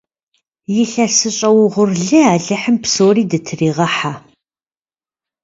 Илъэсыщӏэ угъурлы алыхьым псори дытыригъыхьэ!